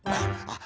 あっ。